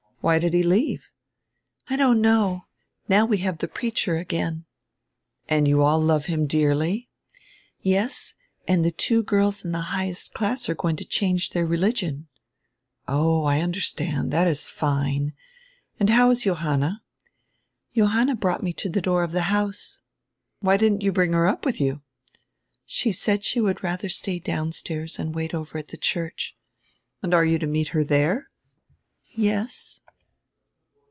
"Why did he leave?" "I don't know. Now we have die preacher again." "And you all love him dearly?" "Yes, and two of the girls in die highest class are going to change dieir religion." "Oh, I understand; diat is fine. And how is Johanna?" "Johanna brought me to die door of the house." "Why didn't you bring her up with you?" "She said she would radier stay downstairs and wait over at the church." "And you are to meet her tiiere?" "Yes."